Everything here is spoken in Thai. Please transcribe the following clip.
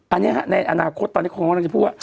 อันนี้ในอนาคตตอนนี้คุณคุณพูดว่า